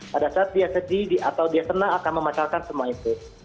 pada saat dia sedih atau dia senang akan memasalkan semua itu